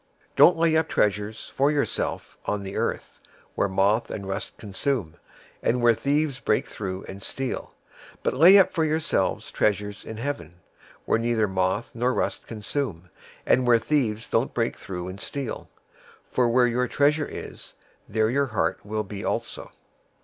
006:019 "Don't lay up treasures for yourselves on the earth, where moth and rust consume, and where thieves break through and steal; 006:020 but lay up for yourselves treasures in heaven, where neither moth nor rust consume, and where thieves don't break through and steal; 006:021 for where your treasure is, there your heart will be also.